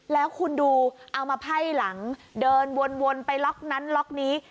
แล้วคุณดูเอามาไพ่หลังเดินวนไปล็อกนั้นล็อกนี้